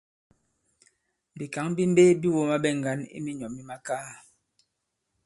Bìkǎŋ bi mbe bi wōma ɓɛ ŋgǎn i minyɔ̌ mi makaa.